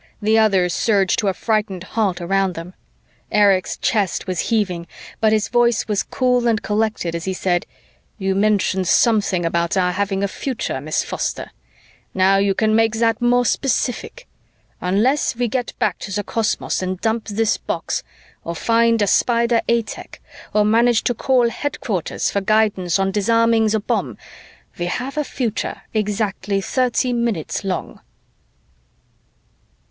The others surged to a frightened halt around them. Erich's chest was heaving, but his voice was cool and collected as he said, "You mentioned something about our having a future, Miss Foster. Now you can make that more specific. Unless we get back to the cosmos and dump this box, or find a Spider A tech, or manage to call headquarters for guidance on disarming the bomb, we have a future exactly thirty minutes long."